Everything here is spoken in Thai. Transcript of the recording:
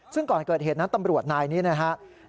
ซึ่งก่อนเกิดเหตุนั้นตำรวจนายนี้นะครับ